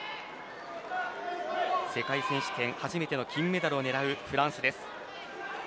世界選手権初めての金メダルを狙うフランスです。